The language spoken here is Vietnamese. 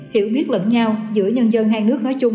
hiểu biết lẫn nhau giữa nhân dân hai nước nói chung